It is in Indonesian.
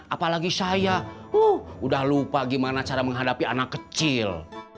apalagi saya udah lupa gimana cara menghadapi anak kecil